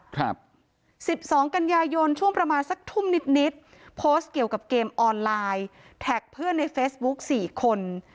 ครับ๑๒กันยายนช่วงประมาณสักทุ่มหนิโพสต์เกี่ยวกับเกมออนไลน์แตกเพื่อในเฟซบุ๊ก๔คน